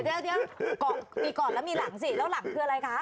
เดี๋ยวก่อนมีก่อนแล้วมีหลังสิแล้วหลังคืออะไรคะ